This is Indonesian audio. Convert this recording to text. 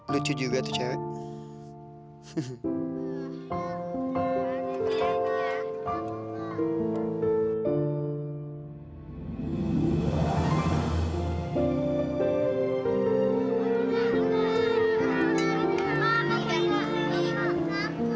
lucu juga tuh cewek